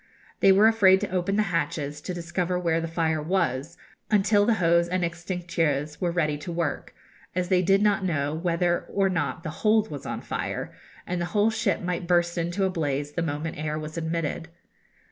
They were afraid to open the hatches, to discover where the fire was, until the hose and extincteurs were ready to work, as they did not know whether or not the hold was on fire, and the whole ship might burst into a blaze the moment the air was admitted.